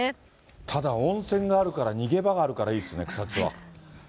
ただ、温泉があるから逃げ場があるからいいですね、草津は。